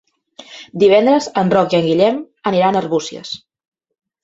Divendres en Roc i en Guillem aniran a Arbúcies.